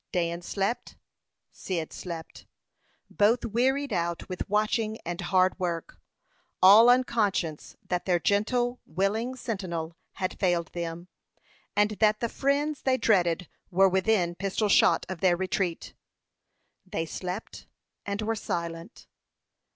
Dan slept, Cyd slept; both wearied out with watching and hard work, all unconscious that their gentle, willing sentinel had failed them, and that the fiends they dreaded were within pistol shot of their retreat. They slept, and were silent.